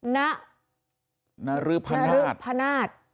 นรพนาศ